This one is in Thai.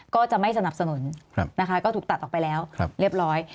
ก็จะไม่สนับสนุนนะคะก็ถูกตัดออกไปแล้วเรียบร้อย